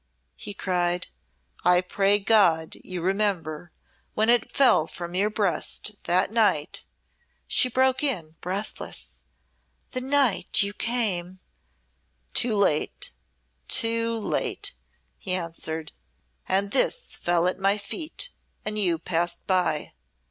he cried, "I pray God you remember. When it fell from your breast that night " She broke in, breathless, "The night you came " "Too late too late," he answered; "and this fell at my feet, and you passed by.